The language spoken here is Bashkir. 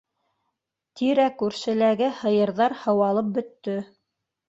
Тирә-күршеләге һыйырҙар һыуалып бөттө.